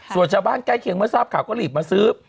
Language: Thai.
ส่วนชาวบ้านใกล้เคียงเมื่อทราบข่าวก็รีบมาซื้อ